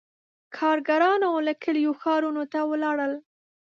• کارګرانو له کلیو ښارونو ته ولاړل.